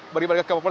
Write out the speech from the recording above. beri mereka kemampuan